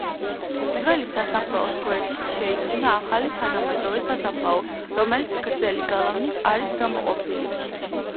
ძველი სასაფლაოს გვერდით შეიქმნა ახალი თანამედროვე სასაფლაო, რომელიც გრძელი გალავნით არის გამოყოფილი.